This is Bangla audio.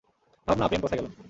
ভাবনা, প্রেম কোথায় গেলো?